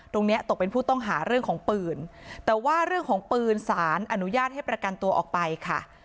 ตรงเนี้ยตกเป็นผู้ต้องหาเรื่องของปืนแต่ว่าเรื่องของปืนสารอนุญาตให้ประกันตัวออกไปค่ะ